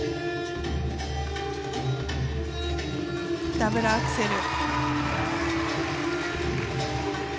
ダブルアクセル。